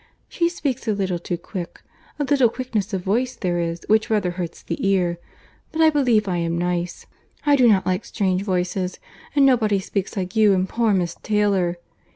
She speaks a little too quick. A little quickness of voice there is which rather hurts the ear. But I believe I am nice; I do not like strange voices; and nobody speaks like you and poor Miss Taylor.